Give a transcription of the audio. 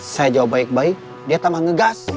saya jawab baik baik dia tambah ngegas